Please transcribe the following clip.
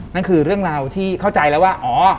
นั่นคือเรื่องราวที่เข้าใจแล้วว่าอ๋อ